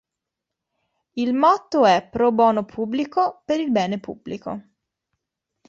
Il motto è "Pro Bono Publico-per il bene pubblico.